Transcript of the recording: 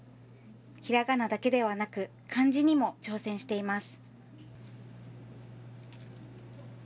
ひらがなだけではなく、漢字にも挑戦しています。